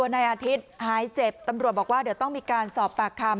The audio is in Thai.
นายอาทิตย์หายเจ็บตำรวจบอกว่าเดี๋ยวต้องมีการสอบปากคำ